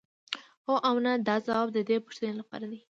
هو او نه دا ځواب د دې پوښتنې لپاره دی.